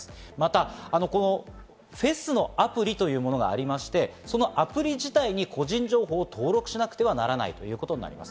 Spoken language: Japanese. またフェスのアプリというものがありまして、アプリ自体に個人情報を登録しなくてはならないということになります。